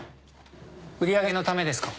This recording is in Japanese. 売り上げのためですか？